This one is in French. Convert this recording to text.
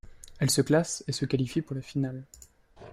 Elle se classe et se qualifie pour la finale.